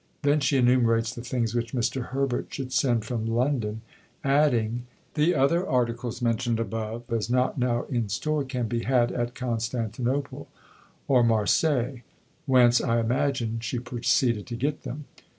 Then she enumerates the things which Mr. Herbert should send from London, adding, "The other articles mentioned above as not now in store can be had at Constantinople" or Marseilles; whence, I imagine, she proceeded to get them.